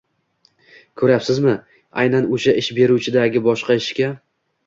Ko‘ryapsizmi, aynan o‘sha ish beruvchidagi boshqa ishga